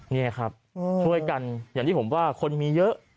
นี่ครับช่วยกันอย่างที่ผมว่าคนมีเยอะ